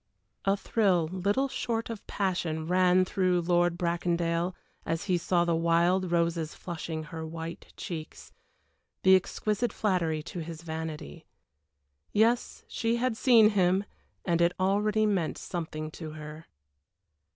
A thrill, little short of passion, ran through Lord Bracondale as he saw the wild roses flushing her white cheeks the exquisite flattery to his vanity. Yes, she had seen him, and it already meant something to her.